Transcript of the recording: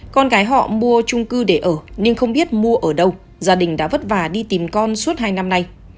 con gái họ mua trung cư để ở nhưng không biết mua ở đâu gia đình đã vất vả đi tìm con suốt hai năm nay